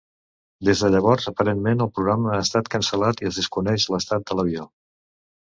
Des de llavors, aparentment, el programa ha estat cancel·lat i es desconeix l'estat de l'avió.